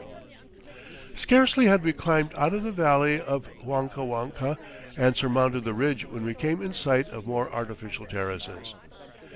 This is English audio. Scarcely had we climbed out of the valley of Huancahuanca and surmounted the ridge when we came in sight of more artificial terraces.